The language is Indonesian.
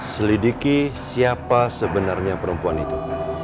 selidiki siapa sebenarnya perempuan itu